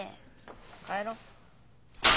帰ろう。